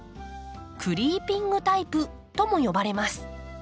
「クリーピングタイプ」とも呼ばれます。